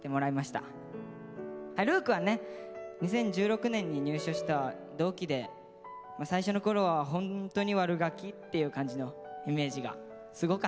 琉巧はね２０１６年に入所した同期で最初のころはホントに悪ガキっていう感じのイメージがすごかったです。